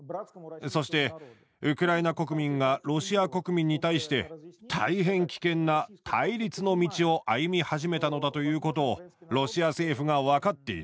そしてウクライナ国民がロシア国民に対して大変危険な対立の道を歩み始めたのだということをロシア政府が分かっている。